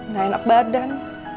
gak enak badan